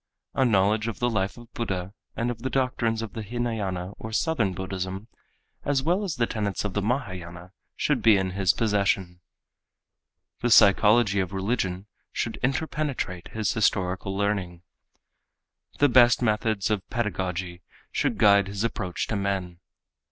A knowledge of the life of Buddha and of the doctrines of the Hînayâna or Southern Buddhism, as well as the tenets of the Mahayâna should be in his possession. The psychology of religion should interpenetrate his historical learning; the best methods of pedagogy should guide his approach to men.